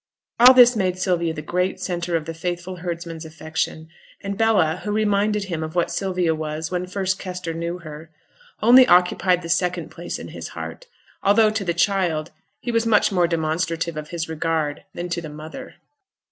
All this made Sylvia the great centre of the faithful herdsman's affection; and Bella, who reminded him of what Sylvia was when first Kester knew her, only occupied the second place in his heart, although to the child he was much more demonstrative of his regard than to the mother.